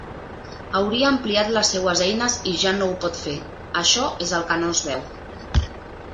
Hauria ampliat les seues eines i ja no ho pot fer, això és el que no es veu.